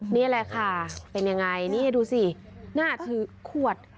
นี่แหละค่ะเป็นยังไงนี่ดูสิหน้าถือขวด